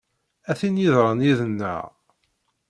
A tin yeḍran yid-neɣ!